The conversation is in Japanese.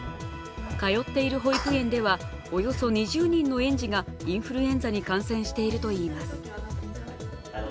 通っている保育園では、およそ２０人の園児がインフルエンザに感染しているといいます。